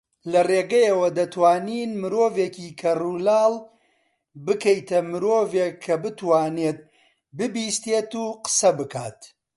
لەرێگەیەوە دەتوانین مرۆڤێکی کەڕولاڵ بکەیتە مرۆڤێک کە بتوانێت ببیستێت و قسە بکات